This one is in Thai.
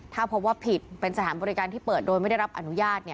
ถ้าพบว่าผิดเป็นสถานบริการที่เปิดโดยไม่ได้รับอนุญาต